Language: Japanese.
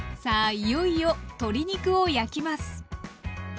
いよいよ鶏肉を焼きます。